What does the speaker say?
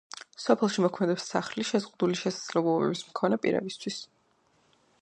სოფელში მოქმედებს სახლი შეზღუდული შესაძლებლობის მქონე პირებისთვის.